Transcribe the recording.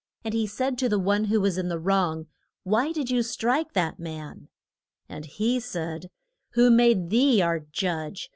And he said to the one who was in the wrong, Why did you strike that man? And he said, Who made thee our judge?